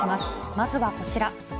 まずはこちら。